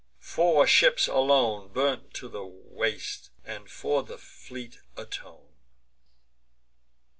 Four ships alone Burn to the waist, and for the fleet atone.